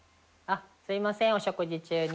すいませんお食事中に。